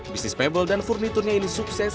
bisnis pebel dan furniturnya ini sukses